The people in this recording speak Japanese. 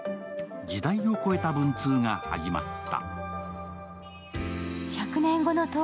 時代を超えた文通が始まった。